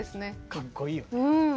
かっこいいよね。